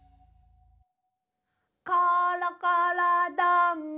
「ころころどんぐり」